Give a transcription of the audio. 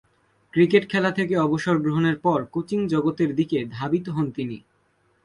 Cricket খেলা থেকে অবসর গ্রহণের পর কোচিং জগতের দিকে ধাবিত হন তিনি।